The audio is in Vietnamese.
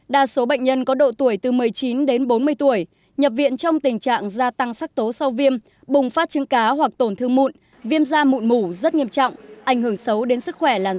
đa số bệnh nhân có độ tuổi từ một mươi chín đến bốn mươi tuổi nhập viện trong tình trạng gia tăng sắc tố sau viêm bùng phát chứng cá hoặc tổn thương mụn viêm da mụn mủ rất nghiêm trọng ảnh hưởng xấu đến sức khỏe làn da